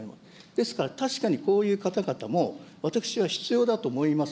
ですから、確かにこういう方々も、私は必要だと思います。